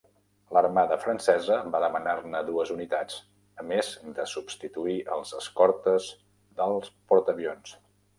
L'armada francesa va demanar-ne dues unitats, a més de substituir els escortes del portaavions.